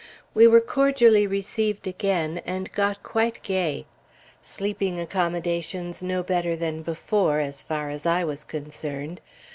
We were cordially received again, and got quite gay. Sleeping accommodations no better than before, as far as I was concerned.